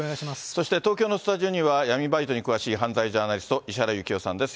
そして東京のスタジオには、闇バイトに詳しい犯罪ジャーナリスト、石原行雄さんです。